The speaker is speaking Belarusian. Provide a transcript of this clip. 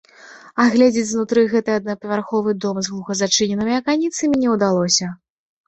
Агледзець знутры гэты аднапавярховы дом з глуха зачыненымі аканіцамі не ўдалося.